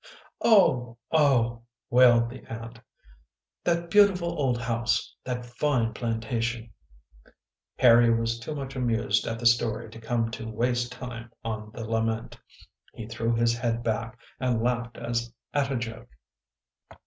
"Oh! Oh!" wailed the aunt, "that beautiful old house ! That fine plantation !" Harry was too much amused at the story to come to waste time on the lament. He threw his head back and laughed as at a joke.